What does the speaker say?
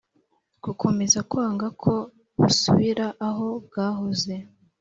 gukomeza kwanga ko busubira aho bwahoze